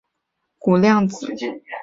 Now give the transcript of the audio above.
妻子是日本著名柔道运动员谷亮子。